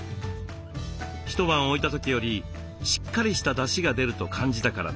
一晩置いた時よりしっかりしただしが出ると感じたからです。